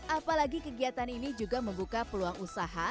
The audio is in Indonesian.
apalagi kegiatan ini juga membuka peluang usaha